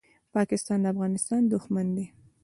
پاکستان د افغانستان دښمن دی.